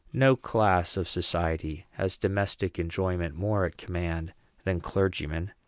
No class of society has domestic enjoyment more at command than clergymen.